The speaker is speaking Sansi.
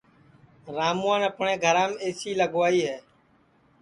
راموان اپٹؔے گھرام اے سی لگوائی ہے